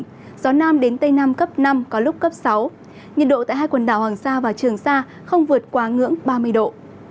gió nam đến tây nam cấp năm có lúc cấp sáu nhiệt độ tại hai quần đảo hoàng sa và trường sa không vượt quá ngưỡng ba mươi độ